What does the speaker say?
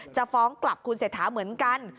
จะฟ้องกลับคุณเศรษฐาเหมือนกัน